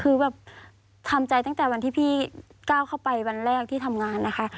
คือแบบทำใจตั้งแต่วันที่พี่ก้าวเข้าไปวันแรกที่ทำงานนะคะ